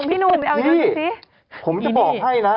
พี่ผมจะบอกให้นะ